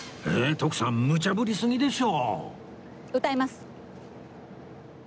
徳さんむちゃぶりすぎでしょ！